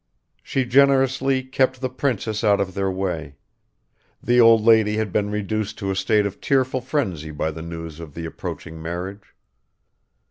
She generously kept the princess out of their way; the old lady had been reduced to a state of tearful frenzy by the news of the approaching marriage.